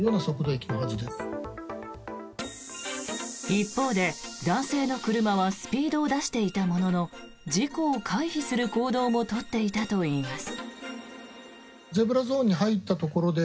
一方で、男性の車はスピードを出していたものの事故を回避する行動も取っていたといいます。